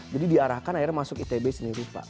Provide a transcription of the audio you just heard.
jadi diarahkan akhirnya masuk itb seni rupa